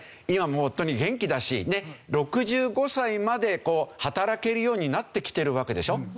今もうホントに元気だし６５歳まで働けるようになってきてるわけでしょ？